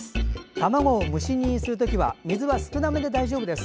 卵を蒸し煮にする時は少なめの水で大丈夫です。